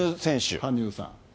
羽生さん。